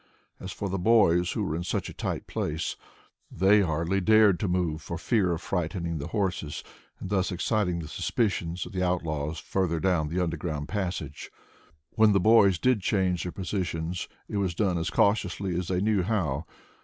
As for the boys who were in such a tight place, they hardly dared move for fear of frightening the horses and thus exciting the suspicions of the outlaws further down the underground passage. When the boys did change their positions it was done as cautiously as they knew how.